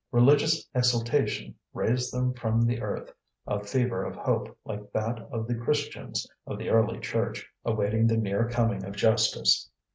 Religious exaltation raised them from the earth, a fever of hope like that of the Christians of the early Church awaiting the near coming of justice.